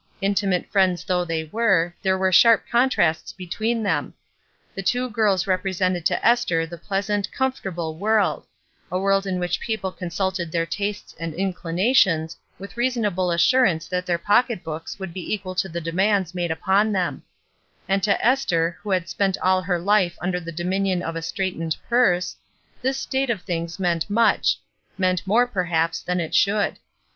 Intimate friends though they were, there were sharp contrasts between them. The two girls represented to Esther the pleasant, comfortable world; a world in which people consulted their tastes and inclinations with reasonable assurance that their pocket books would be equal to the demands made upon them; and to Esther, who had spent all her life under the dominion of a straitened purse, this state of things meant much — meant more, perhaps, than it should.